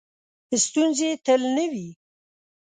ستونزې تل نه وي .